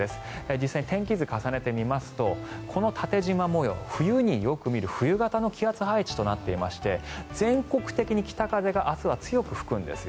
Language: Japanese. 実際に天気図、重ねてみますとこの縦じま模様冬によく見る冬型の気圧配置となっていまして全国的に北風が明日は強く吹くんです。